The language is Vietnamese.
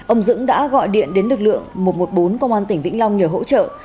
ông dững đã gọi điện đến lực lượng một trăm một mươi bốn công an tỉnh vĩnh long nhờ hỗ trợ